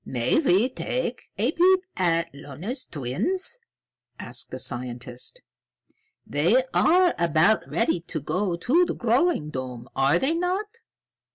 "May we take a peep at Lona's twins?" asked the scientist. "They are about ready to go to the growing dome, are they not?"